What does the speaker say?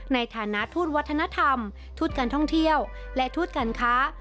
ในฐานะทูตวัฒนธรรมทูตการท่องเที่ยวและทูตการค้า